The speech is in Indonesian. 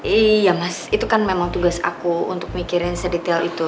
iya mas itu kan memang tugas aku untuk mikirin sedetail itu